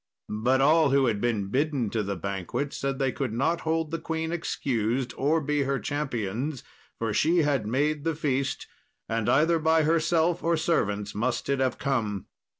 But all who had been bidden to the banquet said they could not hold the queen excused, or be her champions, for she had made the feast, and either by herself or servants must it have come.